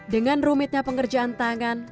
dengan rumitnya pengerjaan tangan